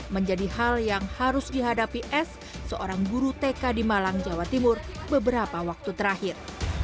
menjadi hal yang harus dihadapi s seorang guru tk di malang jawa timur beberapa waktu terakhir